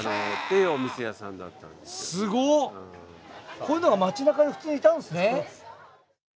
こういう人が街中に普通にいたんですね。